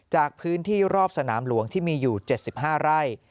จากพื้นที่รอบสนามหลวงที่มีอยู่๗๕ไร่